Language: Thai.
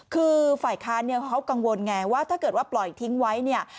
คือฝ่ายค้านเขากังวลไงว่าถ้าเกิดว่าปล่อยทิ้งไว้